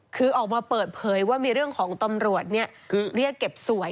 คือออกมาเปิดเผยว่ามีเรื่องของตำรวจเรียกเก็บสวย